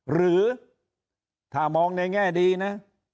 หรือถ้ามองในแง่ดีนะ